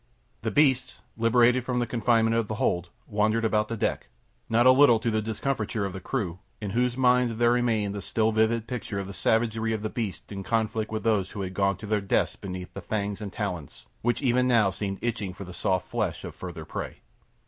The beasts, liberated from the confinement of the hold, wandered about the deck, not a little to the discomfiture of the crew in whose minds there remained a still vivid picture of the savagery of the beasts in conflict with those who had gone to their deaths beneath the fangs and talons which even now seemed itching for the soft flesh of further prey.